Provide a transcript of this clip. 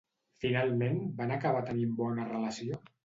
Finalment van acabar tenint bona relació?